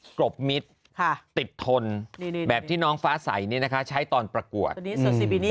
กรบมิดค่ะติดทนดีแบบที่น้องฟ้าใส่นี่นะคะใช้ตอนประกวดอันนี้โซซีบินี่